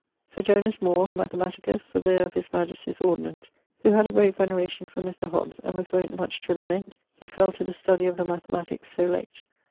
Sir Jonas Moore, mathematicus, surveyor of his majestie's ordinance, who had a great veneration for Mr. Hobbes, and was wont much to lament[CXXVI.] he fell to the study of the mathematiques so late.